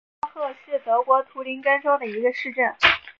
尤登巴赫是德国图林根州的一个市镇。